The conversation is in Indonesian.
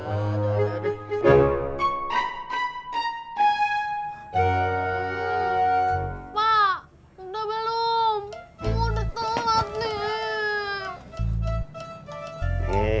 udah telat nih